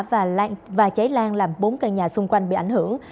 và cháy lan làm bốn căn nhà xung quanh bị ảnh hưởng